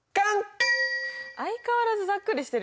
相変わらずざっくりしてるよね。